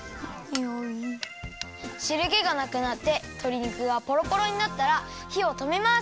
しるけがなくなってとり肉がポロポロになったらひをとめます！